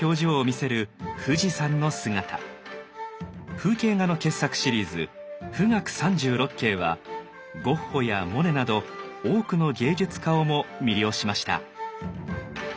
風景画の傑作シリーズ「冨嶽三十六景」はゴッホやモネなど多くの芸術家をも魅了しました。